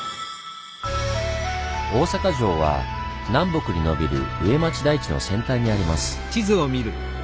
大阪城は南北にのびる上町台地の先端にあります。